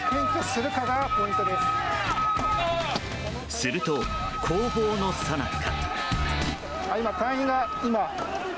すると、攻防のさなか。